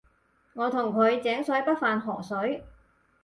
我同佢井水不犯河水